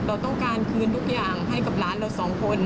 เราต้องการคืนทุกอย่างให้กับร้านเราสองคน